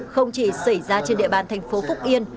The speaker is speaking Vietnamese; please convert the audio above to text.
không chỉ xảy ra trên địa bàn tp phúc yên